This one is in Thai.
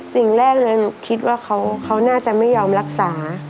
สิ่งแรกเลยหนูคิดว่าเขาน่าจะไม่ยอมรักษา